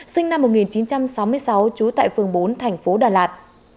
sinh năm một nghìn chín trăm sáu mươi sáu trú tại phường bốn tp đà lạt